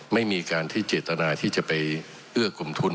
ไม่มีการที่เจตนาที่จะไปเอื้อกลุ่มทุน